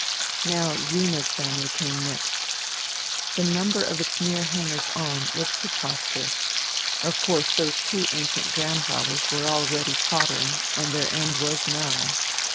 Now Zina's family came next. The number of its mere hangers on was preposterous. Of course, those two ancient grandfathers were already tottering and their end was nigh.